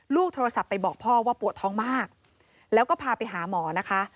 โทรศัพท์ไปบอกพ่อว่าปวดท้องมากแล้วก็พาไปหาหมอนะคะ